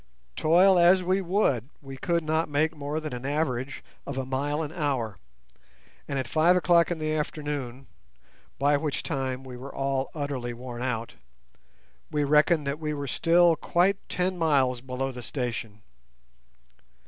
Toil as we would, we could not make more than an average of a mile an hour, and at five o'clock in the afternoon (by which time we were all utterly worn out) we reckoned that we were still quite ten miles below the station.